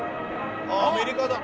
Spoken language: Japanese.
あっアメリカだ！